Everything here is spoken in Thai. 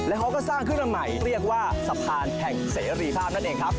เขาก็สร้างขึ้นมาใหม่เรียกว่าสะพานแห่งเสรีภาพนั่นเองครับ